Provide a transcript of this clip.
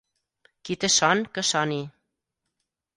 Qui té son que soni.